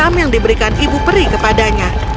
batu hitam yang diberikan ibu peri kepadanya